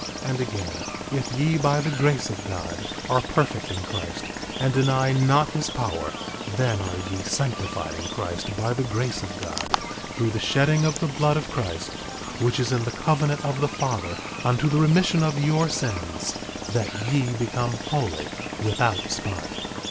10:33 And again, if ye by the grace of God are perfect in Christ, and deny not his power, then are ye sanctified in Christ by the grace of God, through the shedding of the blood of Christ, which is in the covenant of the Father unto the remission of your sins, that ye become holy, without spot.